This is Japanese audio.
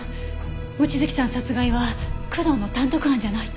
望月さん殺害は工藤の単独犯じゃないって事？